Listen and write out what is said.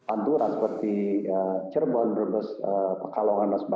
anturan seperti cerbon berbes pakalongan dan lainnya